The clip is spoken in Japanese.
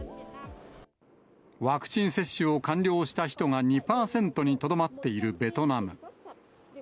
ワクチン接種を完了した人が２％にとどまっているベトナム。